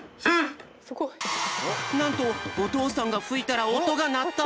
なんとおとうさんがふいたらおとがなった！